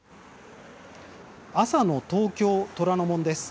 朝の東京・虎ノ門です。